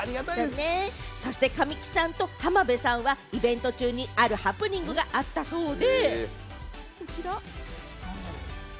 そして、神木さんと浜辺さんは、イベント中にあるハプニングがあったそうで。